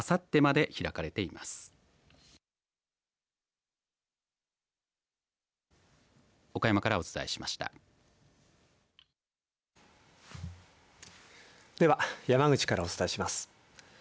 では、山口からお伝えします。